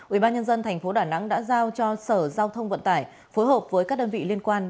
ubnd tp đà nẵng đã giao cho sở giao thông vận tải phối hợp với các đơn vị liên quan